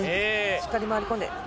しっかり回り込んで。